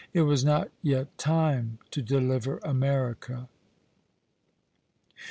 It was not yet time to deliver America.